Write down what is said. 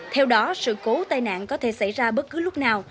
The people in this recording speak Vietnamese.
theo đó sự cố tai nạn có thể xảy ra bất cứ lúc nào